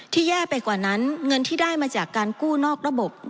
แย่ไปกว่านั้นเงินที่ได้มาจากการกู้นอกระบบ